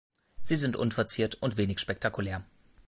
Sie sind unverziert und wenig spektakulär.